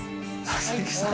佐々木さん